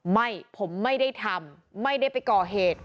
ไม่ผมไม่ได้ทำไม่ได้ไปก่อเหตุ